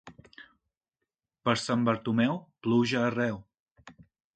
Per Sant Bartomeu, pluja arreu.